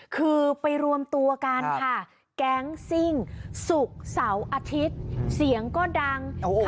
คือไปรวมตัวกันค่ะแก๊งซิ่งศุกร์เสาร์อาทิตย์เสียงก็ดัง